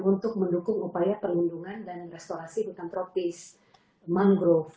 untuk mendukung upaya perlindungan dan restorasi hutan tropis mangrove